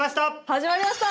始まりました！